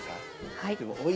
はい。